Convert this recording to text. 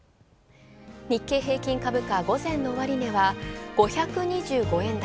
日経平均株価、午前の終値は５２５円